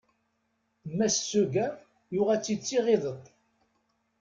Mass Seguin yuɣ-itt-id d tiɣideṭ.